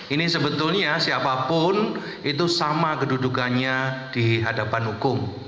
ini sebetulnya siapapun itu sama kedudukannya di hadapan hukum